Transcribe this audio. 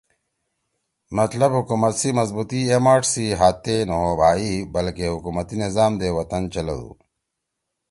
مطلب حکومت سی مضبوطی اے ماݜ سی ہات تے نہ ہو بھائی بلکہ حکومتی نظام دے وطن چلَدُو